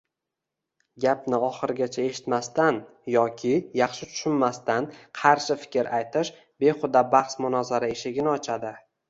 Gapni oxirigacha eshitmasdan yoki yaxshi tushunmasdan qarshi fikr aytish behuda bahs-munozara eshigini ochadi.